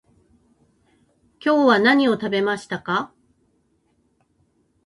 今日は何を食べましたか？